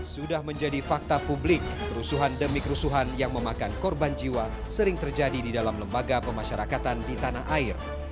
sudah menjadi fakta publik kerusuhan demi kerusuhan yang memakan korban jiwa sering terjadi di dalam lembaga pemasyarakatan di tanah air